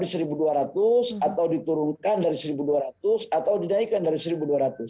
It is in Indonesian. rp satu dua ratus atau diturunkan dari rp satu dua ratus atau dinaikkan dari rp satu dua ratus